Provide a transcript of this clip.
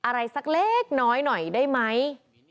อะไรสักเล็กน้อยหน่อยได้ไหม